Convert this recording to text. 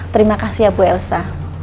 terima kasih ya bu elsa